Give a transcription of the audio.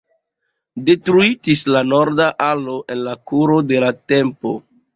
Detruitis la norda alo en la kuro de la tempo.